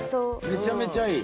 めちゃめちゃいい。